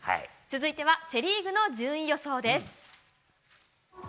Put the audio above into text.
続いてはセ・リーグの順位予想です。